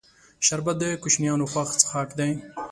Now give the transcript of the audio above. شربت د کوشنیانو خوښ څښاک دی